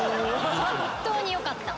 本当に良かった。